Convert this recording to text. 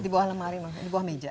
di bawah lemari di bawah meja